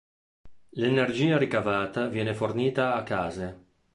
L'energia ricavata viene fornita a case.